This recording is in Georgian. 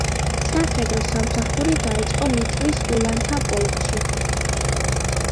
სამხედრო სამსახური დაიწყო ლიტვის ულანთა პოლკში.